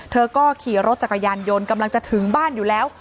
เธอก็ขี่รถจักรยานยนต์กำลังจะถึงบ้านอยู่แล้ว